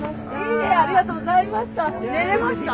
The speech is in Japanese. いいえありがとうございました。